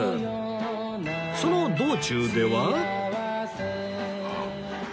その道中では